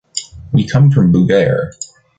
We come from Búger.